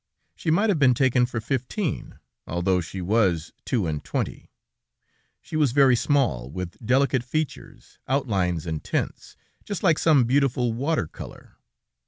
She might have been taken for fifteen, although she was two and twenty. She was very small, with delicate features, outlines and tints, just like some beautiful water color.